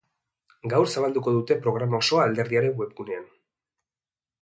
Gaur zabalduko dute programa osoa alderdiaren webgunean.